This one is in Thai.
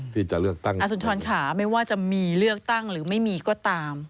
อสุนทนอย่างขาไม่ว่าจะมีเลือกตั้งหรือไม่มีก็ตาม